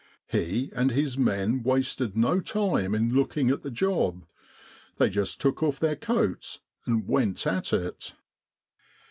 He and his men wasted no time in looking at the job; they just took off their coats and went at it.